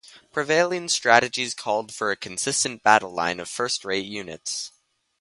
Prevailing strategies called for a consistent battle line of first-rate units.